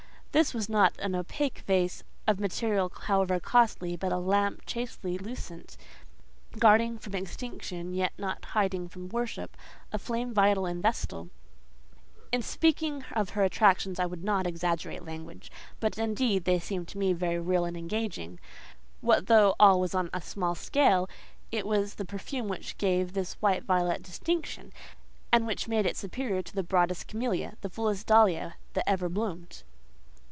This was not an opaque vase, of material however costly, but a lamp chastely lucent, guarding from extinction, yet not hiding from worship, a flame vital and vestal. In speaking of her attractions, I would not exaggerate language; but, indeed, they seemed to me very real and engaging. What though all was on a small scale, it was the perfume which gave this white violet distinction, and made it superior to the broadest camelia—the fullest dahlia that ever bloomed.